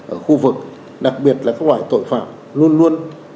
ở khu vực đặc biệt là các loại tội phạm luôn luôn